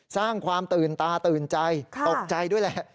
สร้างความตื่นตาตื่นใจตกใจด้วยแหละ